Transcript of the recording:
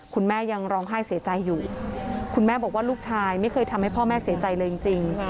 คุณแม่ยังร้องไห้เสียใจอยู่คุณแม่บอกว่าลูกชายไม่เคยทำให้พ่อแม่เสียใจเลยจริง